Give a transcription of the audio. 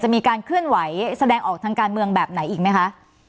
มีการเคลื่อนไหวแสดงออกทางการเมืองแบบไหนอีกไหมคะ